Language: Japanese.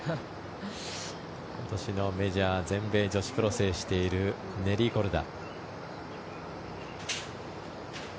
今年のメジャー全米女子プロを制しているネリー・コルダ。